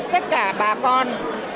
tất cả bà con